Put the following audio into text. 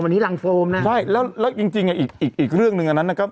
วันนี้รังโฟมนะใช่แล้วแล้วจริงจริงอ่ะอีกอีกอีกเรื่องหนึ่งอันนั้นนะครับ